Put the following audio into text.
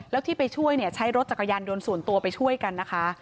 แล้วที่ไปช่วยเนี่ยใช้รถจักรยานยนต์ส่วนตัวไปช่วยกันนะคะ